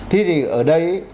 thế thì ở đây